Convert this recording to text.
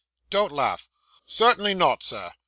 'Don't laugh.' 'Certainly not, Sir.